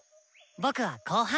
僕は後半！